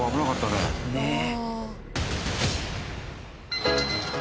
ねえ。